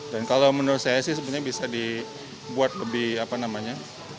dan kalau menurut saya sih sebenarnya bisa dibuat lebih apa namanya